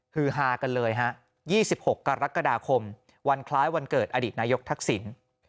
ฮือฮากันเลยฮะ๒๖กรกฎาคมวันคล้ายวันเกิดอดีตนายกทักษิณ